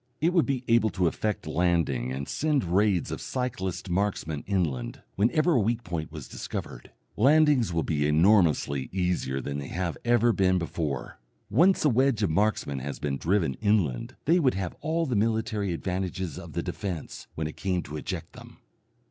It would be able to effect landing and send raids of cyclist marksmen inland, whenever a weak point was discovered. Landings will be enormously easier than they have ever been before. Once a wedge of marksmen has been driven inland they would have all the military advantages of the defence when it came to eject them.